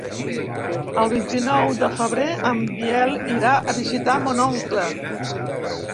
El vint-i-nou de febrer en Biel irà a visitar mon oncle.